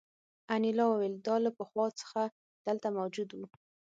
انیلا وویل دا له پخوا څخه دلته موجود وو